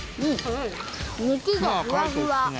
肉がふわふわ。